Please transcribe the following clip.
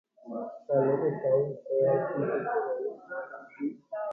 Kalo ohechávo upéva tuichaiterei oñemondýi